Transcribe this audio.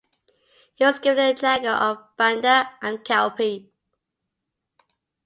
He was given the jagir of Banda and Kalpi.